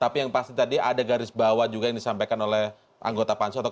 tapi yang pasti tadi ada garis bawah juga yang disampaikan oleh anggota pansus